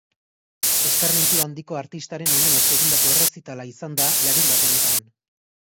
Eskarmentu handiko artistaren omenez egindako errezitala izan da larunbat honetan.